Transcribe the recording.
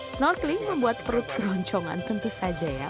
snorkeling membuat perut keroncongan tentu saja ya